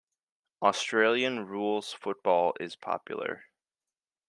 Australian rules football is popular.